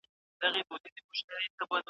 عامه کتابتونونه تر شخصي هغو زيات لوستونکي لري.